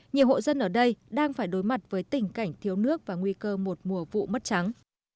nhiều hộ dân ở đây đang phải đối mặt với tình cảnh thiếu nước và nguy cơ một mùa vụ mất trắng